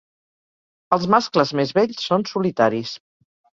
Els mascles més vells són solitaris.